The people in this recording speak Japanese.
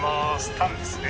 タンですね。